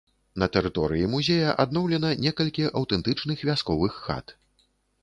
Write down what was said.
На тэрыторыі музея адноўлена некалькі аўтэнтычных вясковых хат.